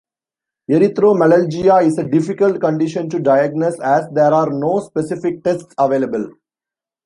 Erythromelalgia is a difficult condition to diagnose as there are no specific tests available.